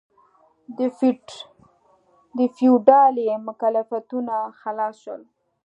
د فیوډالي مکلفیتونو خلاص شول.